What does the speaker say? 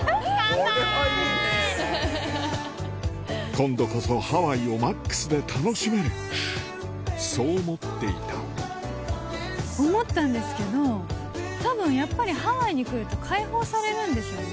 今度こそハワイをマックスで思ったんですけど、たぶんやっぱりハワイに来ると解放されるんでしょうね。